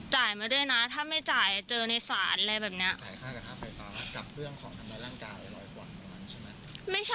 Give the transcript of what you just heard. จ่ายมาด้วยนะถ้าไม่จ่ายเจอในศาลอะไรแบบนี้